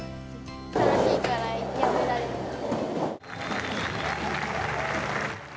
楽しいからやめられない。